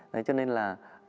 đấy cho nên là